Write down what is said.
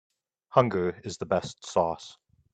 Hunger is the best sauce.